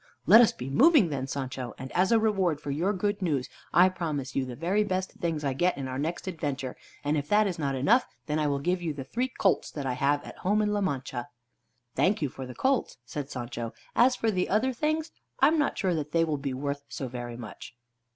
"Let us be moving then, Sancho. And as a reward for your good news, I promise you the very best things I get in our next adventure. And if that is not enough, then I will give you the three colts that I have at home in La Mancha." "Thank you for the colts," said Sancho. "As for the other things, I'm not sure that they will be worth so very much."